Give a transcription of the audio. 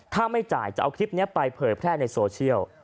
ถ้าไม่จ่ายจะเอาคลิปนี้ไปเผยแพร่ในโซเชียล